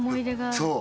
そう。